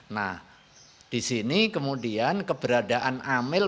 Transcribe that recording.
nah di sini kemudian keberadaan amel